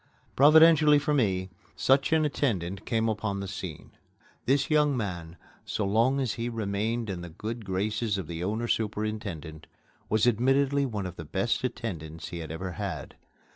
Providentially for me, such an attendant came upon the scene. This young man, so long as he remained in the good graces of the owner superintendent, was admittedly one of the best attendants he had ever had.